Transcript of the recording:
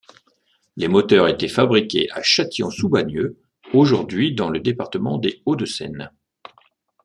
Les moteurs étaient fabriqués à Châtillon-sous-Bagneux, aujourd'hui dans le département des Hauts-de-Seine.